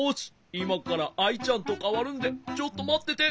いまからアイちゃんとかわるんでちょっとまってて。